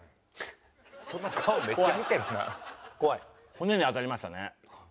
骨に当たりましたね。